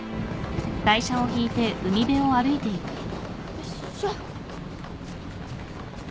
よいしょ！